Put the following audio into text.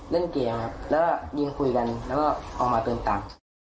เล่นเกมครับแล้วก็ยืนคุยกันแล้วก็เอามาเติมตังค์